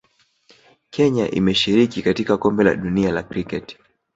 Kenya imeshiriki katika Kombe la Dunia la Kriketi